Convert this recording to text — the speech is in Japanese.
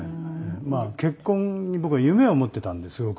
まあ結婚に僕は夢を持ってたんですすごく。